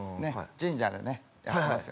神社でやってます。